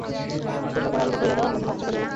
তোমারা পড়া আরম্ভ করিয়া দাও–আমার জন্য অপেক্ষা করিয়ো না।